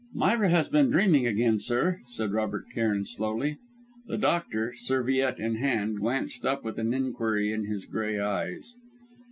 "Myra has been dreaming again, sir," said Robert Cairn slowly. The doctor, serviette in hand, glanced up with an inquiry in his grey eyes.